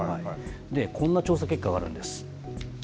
で、こんな調査結果があるんです。